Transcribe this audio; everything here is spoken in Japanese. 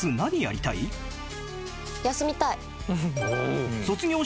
休みたい。